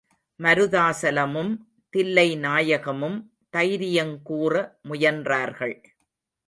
மருதாசலமும் தில்லைநாயகமும் தைரியங் கூற முயன்றார்கள்.